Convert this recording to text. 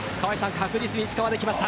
確実に石川できました。